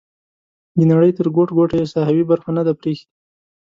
د نړۍ تر ګوټ ګوټه یې ساحوي برخه نه ده پریښې.